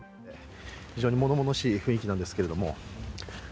非常にものものしい雰囲気なんですけれども。